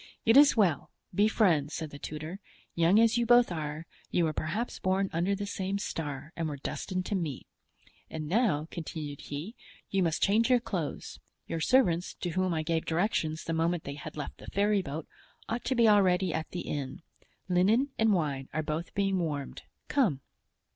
"It is well; be friends," said the tutor; "young as you both are, you were perhaps born under the same star and were destined to meet. And now," continued he, "you must change your clothes; your servants, to whom I gave directions the moment they had left the ferryboat, ought to be already at the inn. Linen and wine are both being warmed; come."